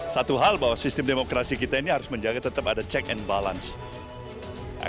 satu hal bahwa sistem demokrasi kita ini harus menjaga tetap ada check and balance